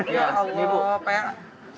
ya allah pak